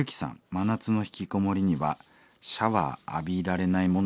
「真夏のひきこもりにはシャワー浴びられない問題は切実です」。